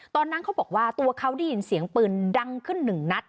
ตอนนั้นเขาบอกว่าตัวเขาได้ยินเสียงปืนดังขึ้นหนึ่งนัด